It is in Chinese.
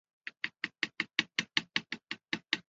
最早的可确认的盾皮鱼生活在晚期志留纪。